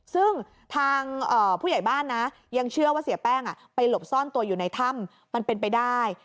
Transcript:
ซึ่งทางผู้ใหญ่บ้านนะยังเชื่อว่าเสียแป้งไปหลบซ่อนตัวอยู่ในถ้ำมันเป็นไปได้